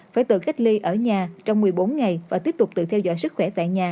phải tự cách ly ở nhà trong một mươi bốn ngày và tiếp tục tự theo dõi sức khỏe tại nhà